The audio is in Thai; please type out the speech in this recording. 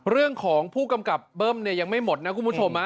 เรื่องของผู้กำกับเบิ้มเนี่ยยังไม่หมดนะคุณผู้ชม